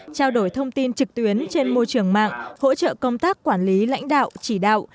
trao đổi thông tin trực tuyến trên môi trường mạng hỗ trợ công tác quản lý lãnh đạo chỉ đạo